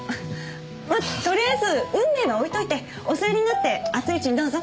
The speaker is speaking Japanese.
まとりあえず運命は置いといてお座りになって熱いうちにどうぞ。